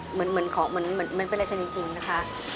เหมือนของเหมือนเป็นอะไรกันจริงนะคะ